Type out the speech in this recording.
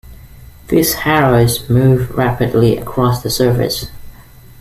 These harrows move rapidly across the surface.